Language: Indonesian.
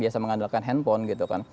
kita bisa mengandalkan handphone gitu kan